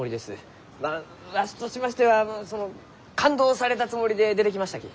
まあわしとしましては勘当されたつもりで出てきましたき。